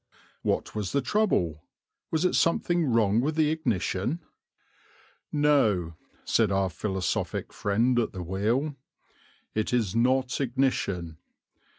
What was the trouble? Was it something wrong with the ignition? "No," said our philosophic friend at the wheel, "it is not ignition.